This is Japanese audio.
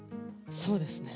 そうですね。